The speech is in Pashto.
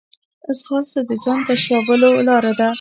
ځغاسته د ځان کشف کولو لاره ده